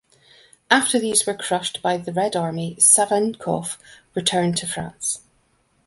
After these were crushed by the Red Army, Savinkov returned to France.